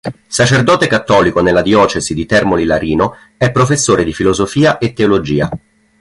Sacerdote cattolico nella diocesi di Termoli-Larino, è professore di filosofia e teologia.